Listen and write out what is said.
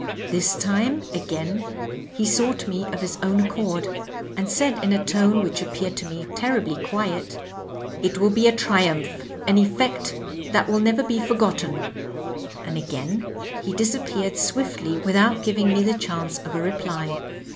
This time, again, he sought me of his own accord, and said in a tone which appeared to me terribly qniet, ^ It will be a triumph, an e£Eect that will never be forgotten,' and again he disappeared swift ly without giving me the chance of a reply.